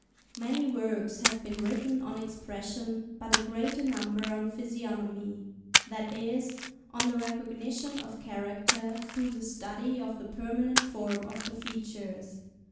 Many works have been written on Expression, but a greater number on Physiognomy,—that is, on the recognition of character through the study of the permanent form of the features.